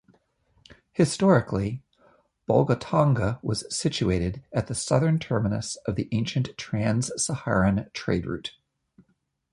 Historically Bolgatanga was situated at the southern terminus of the ancient Trans-Saharan trade route.